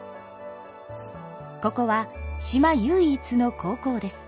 ここは島唯一の高校です。